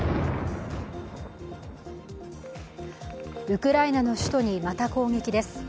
ウクライナの首都にまた攻撃です。